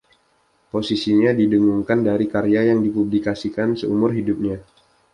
Posisinya didengungkan dari karya yang dipublikasikan seumur hidupnya.